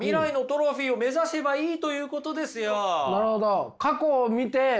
なるほど。